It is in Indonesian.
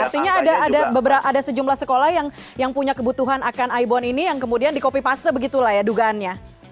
artinya ada sejumlah sekolah yang punya kebutuhan akan ibon ini yang kemudian di copy paste begitulah ya dugaannya